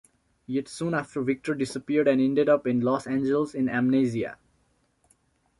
Yet soon after Victor disappeared and ended up in Los Angeles in amnesia.